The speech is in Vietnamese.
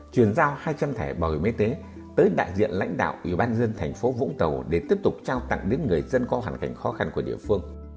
truyền giao hai trăm linh thẻ bảo hiểm y tế tới đại diện lãnh đạo ủy ban dân tp hcm để tiếp tục trao tặng đến người dân có hoàn cảnh khó khăn của địa phương